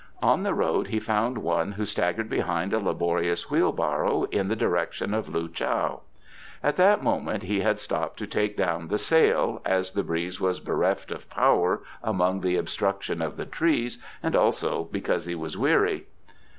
On the road he found one who staggered behind a laborious wheel barrow in the direction of Loo chow. At that moment he had stopped to take down the sail, as the breeze was bereft of power among the obstruction of the trees, and also because he was weary.